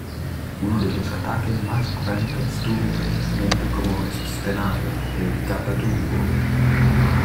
Uno de los ataque mas cruentos tuvo precisamente como escenario, el Catatumbo.